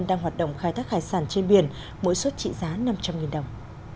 đang hoạt động khai thác hải sản trên biển mỗi suất trị giá năm trăm linh đồng